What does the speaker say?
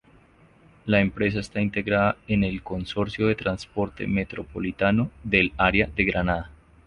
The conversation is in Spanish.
La empresa está integrada en el Consorcio de Transporte Metropolitano del Área de Granada.